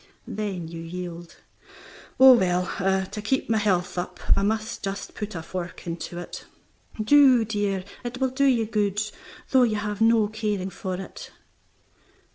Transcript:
Then you yield. "Oh, well, to keep my health up I may just put a fork into it." "Do, dear; it will do you good, though you have no caring for it."